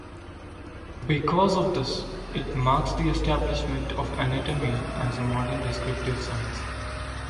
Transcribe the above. Because of this, it marks the establishment of anatomy as a modern descriptive science.